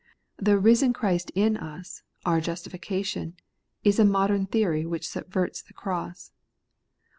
The risen Christ in us, our justification, is a modem theory which subverts the cross.